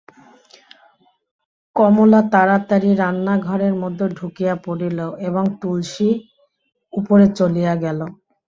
কমলা তাড়াতাড়ি রান্নাঘরের মধ্যে ঢুকিয়া পড়িল এবং তুলসী উপরে চলিয়া গেল।